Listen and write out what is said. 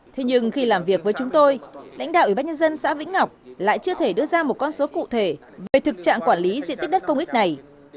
thế nhưng khi làm việc với chúng tôi lãnh đạo ủy ban nhân dân xã vĩnh ngọc lại chưa thể đưa ra một con số cụ thể về thực trạng quản lý diện tích đất công ích này